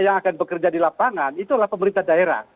yang akan bekerja di lapangan itulah pemerintah daerah